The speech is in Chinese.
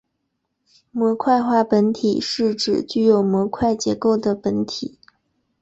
模块化本体是指具有模块结构的本体。